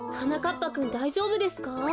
ぱくんだいじょうぶですか？